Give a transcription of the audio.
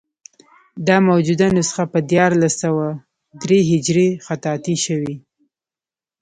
دا موجوده نسخه په دیارلس سوه درې هجري خطاطي شوې.